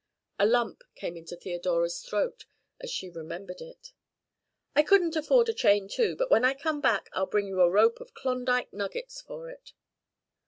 A lump came into Theodora's throat as she remembered it. "I couldn't afford a chain too, but when I come back I'll bring you a rope of Klondike nuggets for it."